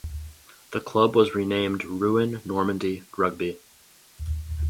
The club was renamed Rouen Normandie Rugby.